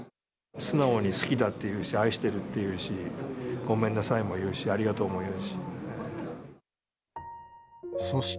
素直に好きだって言うし、愛してるって言うし、ごめんなさいも言うし、ありがとうも言うし。